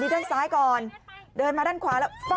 เป็นปุ้ยนะ